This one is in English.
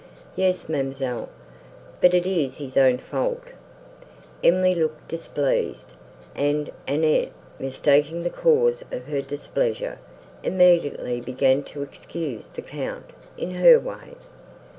"Yes, ma'amselle, but it is his own fault." Emily looked displeased; and Annette, mistaking the cause of her displeasure, immediately began to excuse the Count, in her way.